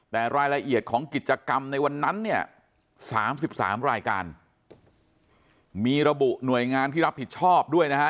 แต่รายละเอียดของกิจกรรมในวันนั้นเนี่ย๓๓รายการมีระบุหน่วยงานที่รับผิดชอบด้วยนะฮะ